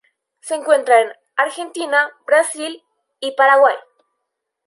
Se encuentra en Argentina, Brasil, y Paraguay.